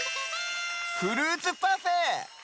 フルーツパフェ！